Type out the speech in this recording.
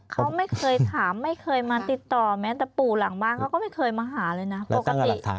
เขาไม่เคยถามไม่เคยมาติดต่อแม้แต่ปู่หลังบ้านเขาก็ไม่เคยมาหาเลยนะปกติ